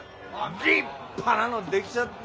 立派なの出来ちゃって。